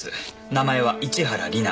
名前は市原里奈。